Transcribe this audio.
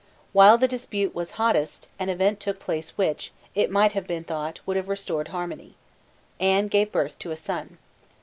While the dispute was hottest, an event took place which, it might have been thought, would have restored harmony. Anne gave birth to a son.